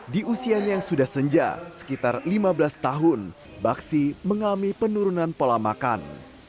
di usianya yang sudah senja sekitar lima belas tahun baksi mengalami penurunan pola makan